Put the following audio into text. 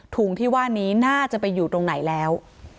ถุงที่ว่านี้น่าจะไปอยู่ตรงไหนแล้ว